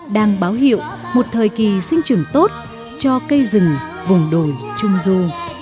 đang báo hiệu một thời kỳ sinh trưởng tốt cho cây rừng vùng đồi trung du